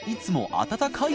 温かい。